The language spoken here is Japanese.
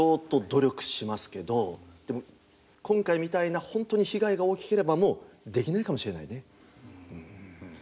私も今回みたいな本当に被害が大きければもうできないかもしれないね。